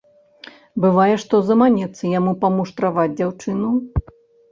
Бывае, што заманецца яму памуштраваць дзяўчыну.